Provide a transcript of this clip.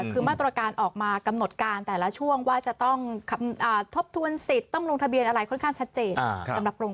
คือมาตรการออกมากำหนดการแต่ละช่วงว่าจะต้องทบทวนสิทธิ์ต้องลงทะเบียนอะไรค่อนข้างชัดเจน